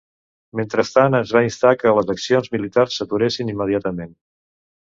Mentrestant, es va instar que les accions militars s'aturessin immediatament.